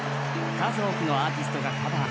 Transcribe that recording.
数多くのアーティストがカバー。